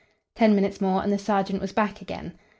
Ten minutes more and the sergeant was back again.